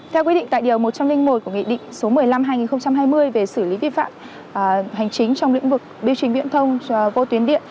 theo quy định tại điều một trăm linh một của nghị định số một mươi năm hai nghìn hai mươi về xử lý vi phạm hành chính trong lĩnh vực biểu trình viễn thông vô tuyến điện